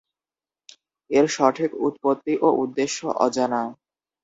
এর সঠিক উৎপত্তি ও উদ্দেশ্য অজানা।